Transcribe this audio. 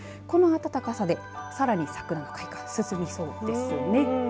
この暖かさで、さらに桜の開花進みそうですね。